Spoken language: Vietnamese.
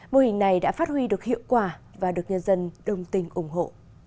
mô hình này đã phát huy được hiệu quả và được nhân dân đồng tình ủng hộ